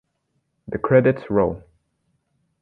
The credits roll.